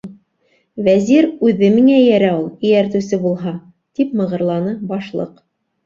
- Вәзир үҙе миңә эйәрә ул, эйәртеүсе булһа, - тип мығырланы Башлыҡ.